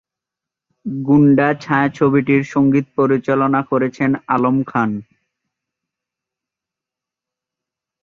গুন্ডা ছায়াছবিটির সঙ্গীত পরিচালনা করেছেন আলম খান।